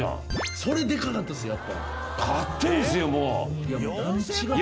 それでかかったっすやっぱ。